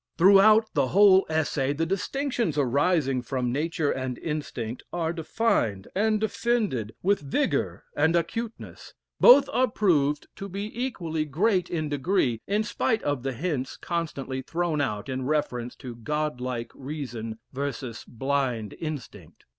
Throughout the whole Essay the distinctions arising from nature and instinct are defined and defended with vigor and acuteness. Both are proved to be equally great in degree, in spite of the hints constantly thrown out in reference to "God like Reason versus Blind Instinct."